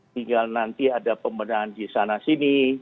tinggal nanti ada pembenahan di sana sini